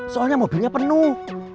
soalnya mobilnya penuh